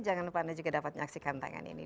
jangan lupa anda juga dapat menyaksikan tangan ini